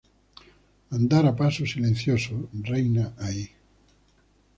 Andar a paso silencioso reina ahí.